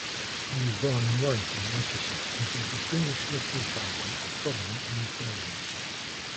He was born at Warrington, Lancashire into a distinguished literary family of prominent Unitarians.